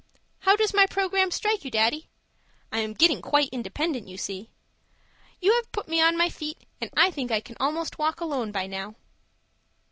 How does my programme strike you, Daddy? I am getting quite independent, you see. You have put me on my feet and I think I can almost walk alone by now.